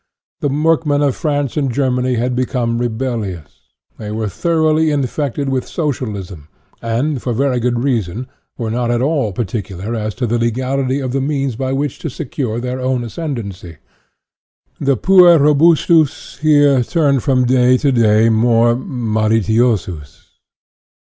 The workmen of France and Germany had become rebellious. They were thoroughly infected with socialism, and, for very good reasons, were not at all par ticular as to the legality of the means by which to secure their own ascendency. The puer ro bustus, here, turned from day to day more malitiosus.